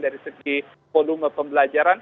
dari segi volume pembelajaran